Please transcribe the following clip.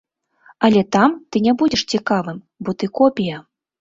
Але там ты не будзеш цікавым, бо ты копія.